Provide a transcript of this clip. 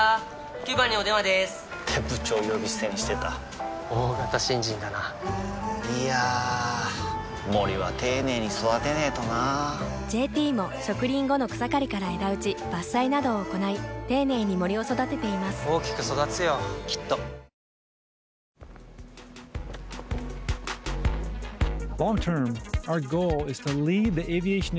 ９番にお電話でーす！って部長呼び捨てにしてた大型新人だないやー森は丁寧に育てないとな「ＪＴ」も植林後の草刈りから枝打ち伐採などを行い丁寧に森を育てています大きく育つよきっとプシューッ！